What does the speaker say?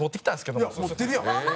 いや持ってるやん！